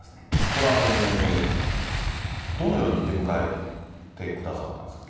これ、どのように出迎えてくださったんですか。